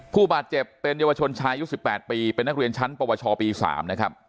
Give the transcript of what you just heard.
ผู้บาดเจ็บเป็นเยาวชนชายอายุ๑๘ปีเป็นนักเรียนชั้นปวชปี๓นะครับ